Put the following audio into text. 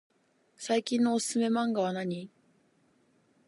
最近のおすすめマンガはなに？